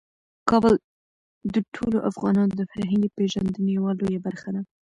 کابل د ټولو افغانانو د فرهنګي پیژندنې یوه لویه برخه ده.